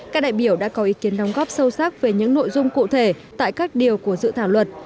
các đại biểu đã có ý kiến đóng góp sâu sắc về những nội dung cụ thể tại các điều của dự thảo luật